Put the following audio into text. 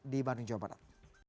di bandung jawa barat